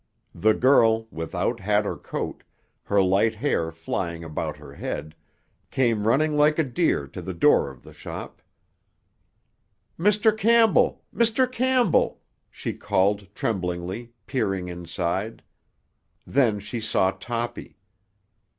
The girl, without hat or coat, her light hair flying about her head, came running like a deer to the door of the shop. "Mr. Campbell, Mr. Campbell!" she called tremblingly, peering inside. Then she saw Toppy.